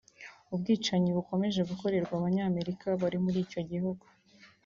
ubwicanyi bukomeje gukorerwa Abanyamerika bari muri icyo gihugu